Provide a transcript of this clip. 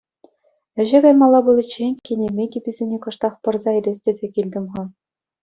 Еҫе каймалла пуличчен кинемей кӗписене кӑштах пӑрса илес тесе килтӗм-ха.